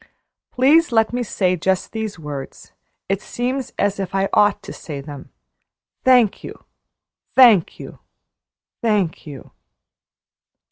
Please let me say just these words. It seems as if I ought to say them. Thank you thank you thank you!